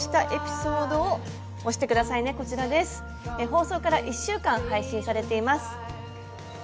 放送から１週間配信されています。